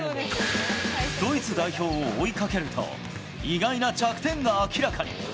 ドイツ代表を追いかけると、意外な弱点が明らかに。